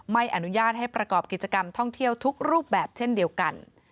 ไม่อนุญาตให้ประกอบกิจกรรมท่องเที่ยวทุกรูปแบบเช่นเดียวกัน